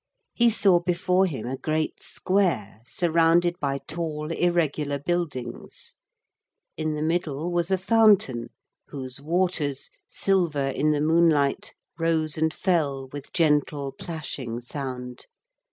He saw before him a great square surrounded by tall irregular buildings. In the middle was a fountain whose waters, silver in the moonlight, rose and fell with gentle plashing sound.